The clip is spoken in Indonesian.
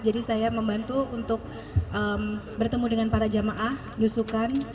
jadi saya membantu untuk bertemu dengan para jamaah nyusukan